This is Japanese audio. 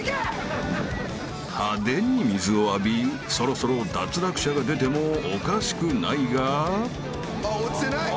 ［派手に水を浴びそろそろ脱落者が出てもおかしくないが］